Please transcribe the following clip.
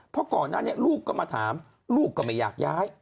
เพราะก่อนหน้านี้ลูกก็มาถามลูกก็ไม่อยากย้าย